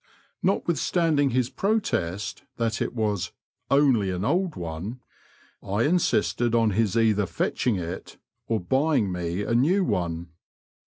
Notwithstanding his protest that it was '*only an old one," I insisted on his either fetching it or buying me a new one.